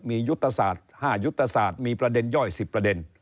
มียุทธศาสตร์๕ยุทธศาสตร์มีประเด็นย่อย๑๐ประเด็น